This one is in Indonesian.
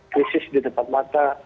krisis di tempat mata